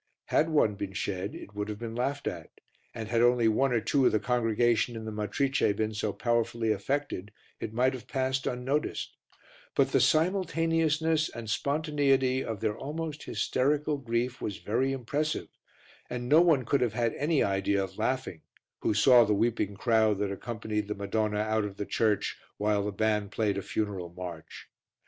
Had one been shed, it would have been laughed at; and had only one or two of the congregation in the Matrice been so powerfully affected, it might have passed unnoticed, but the simultaneousness and spontaneity of their almost hysterical grief was very impressive, and no one could have had any idea of laughing who saw the weeping crowd that accompanied the Madonna out of the church while the band played a funeral march.